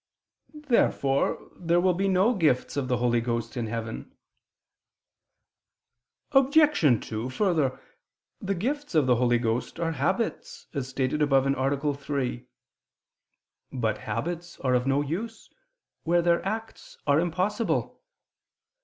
Therefore there will be no gifts of the Holy Ghost in heaven. Obj. 2: Further, the gifts of the Holy Ghost are habits, as stated above (A. 3). But habits are of no use, where their acts are impossible.